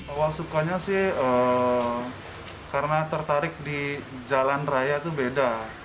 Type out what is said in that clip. awal sukanya sih karena tertarik di jalan raya itu beda